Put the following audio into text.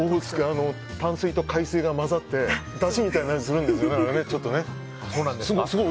淡水と海水が混じってだしみたいな味がするんですよね。